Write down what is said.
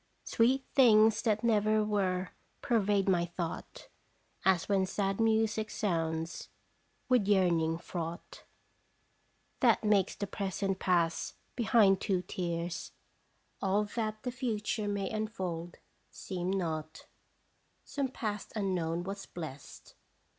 286 "&re ttje JDecrtr Sweet things that never were pervade my thought, As when sad music sounds, with yearning fraught, That makes the present pass behind two tears, All that the future may unfold seem naught. Some past unknown was blest.